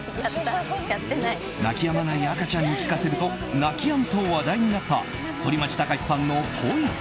泣きやまない赤ちゃんに聴かせると泣きやむと話題になった反町隆史さんの「ＰＯＩＳＯＮ」。